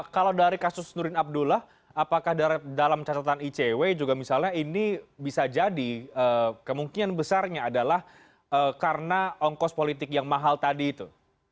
kalau dari kasus nurdin abdullah apakah dalam catatan icw juga misalnya ini bisa jadi kemungkinan besarnya adalah karena ongkos politik yang mahal tadi itu